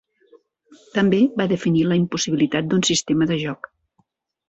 També va definir la impossibilitat d'un sistema de joc.